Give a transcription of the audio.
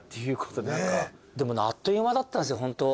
でもあっという間だったんですホント。